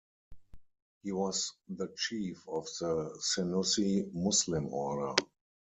He was the chief of the Senussi Muslim order.